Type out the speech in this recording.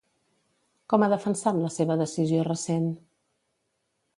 Com ha defensat la seva decisió recent?